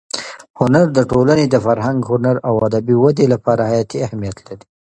هنر د ټولنې د فرهنګ، هنر او ادبي ودې لپاره حیاتي اهمیت لري.